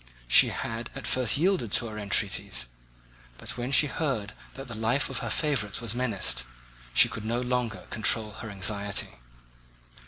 She had at first yielded to our entreaties, but when she heard that the life of her favourite was menaced, she could no longer control her anxiety.